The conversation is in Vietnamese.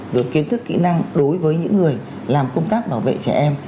rồi kiến thức kỹ năng đối với những người làm công tác bảo vệ trẻ em